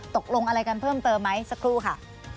ตกลงอะไรกันเพิ่มเติมไหมสักครู่ค่ะ